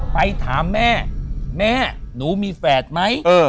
ไปถามแม่แม่หนูมีแฝดไหม